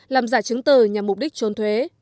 làm giả chứng từ nhằm mục đích trôn thuế